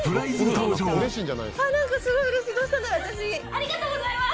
ありがとうございます！